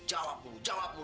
jawab dulu jawab dulu